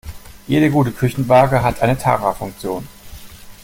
Jede gute Küchenwaage hat eine Tara-Funktion.